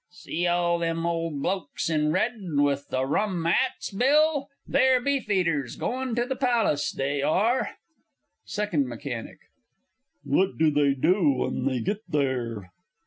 See all them old blokes in red, with the rum 'ats, Bill? They're Beefeaters goin' to the Pallis, they are. SECOND M. What do they do when they git there?